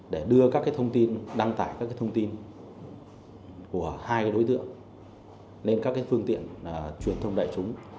để đưa các cái thông tin đăng tải các cái thông tin của hai đối tượng lên các cái phương tiện truyền thông đại chúng